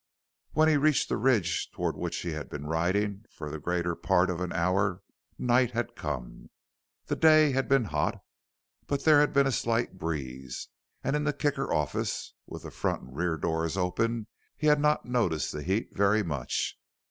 When he reached the ridge toward which he had been riding for the greater part of an hour night had come. The day had been hot, but there had been a slight breeze, and in the Kicker office, with the front and rear doors open, he had not noticed the heat very much.